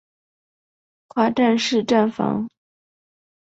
跨站式站房。